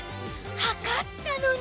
測ったのに。